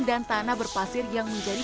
dan tanah berpasir yang menjadi